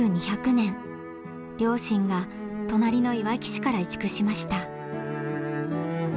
両親が隣のいわき市から移築しました。